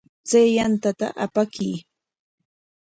Chay yantata apakuy.